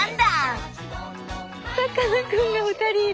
スタジオさかなクンが２人いる。